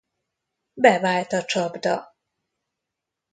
Bevált a csapda.